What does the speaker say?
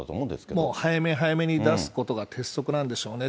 もう早め早めに出すことが鉄則なんでしょうね。